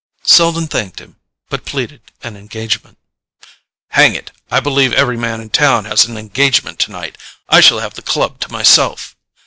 Selden thanked him, but pleaded an engagement. "Hang it, I believe every man in town has an engagement tonight. I shall have the club to myself.